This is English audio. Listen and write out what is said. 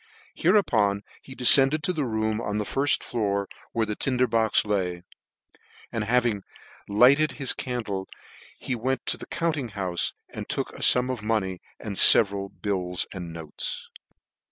Hereupon he defcended to the room on the firfl floor, where the tinder box lay ; and having lighted his can dle, he went to the 'compting noufe, and took a fum of money, and feveral noies and bills.